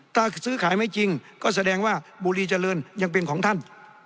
ถ้าซื้อขายไม่จริงก็แสดงว่าบุรีเจริญยังเป็นของท่าน